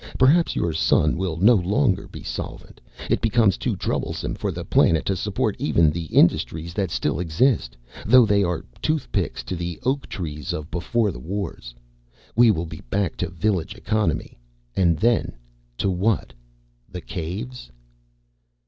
Perhaps your son will no longer be solvent. It becomes too troublesome for the planet to support even the industries that still exist, though they are toothpicks to the oak trees of Beforethewars. We will be back to village economy and then to what? The caves?"